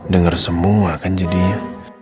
dengar semua kan jadinya